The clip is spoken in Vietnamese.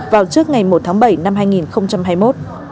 vào trước ngày một tháng bảy năm hai nghìn hai mươi một